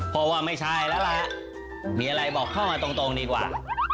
เพราะว่าไม่ใช่แล้วล่ะมีอะไรบอกเข้ามาตรงดีกว่า